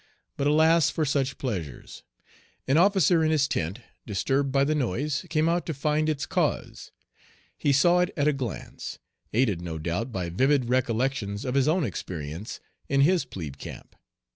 But alas for such pleasures! An officer in his tent, disturbed by the noise, came out to find its cause. He saw it at a glance, aided no doubt by vivid recollections of his own experience in his plebe camp.